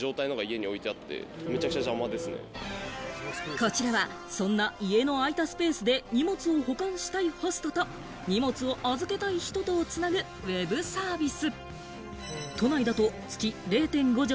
こちらはそんな家の空いたスペースで荷物を保管したいホストと、荷物を預けたい人とをつなぐＷＥＢサービス。